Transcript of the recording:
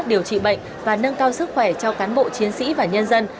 điều trị bệnh và nâng cao sức khỏe cho cán bộ chiến sĩ và nhân dân